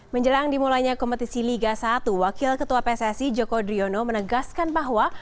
menjelang dimulainya kompetisi liga satu wakil ketua pssi joko driono menegaskan bahwa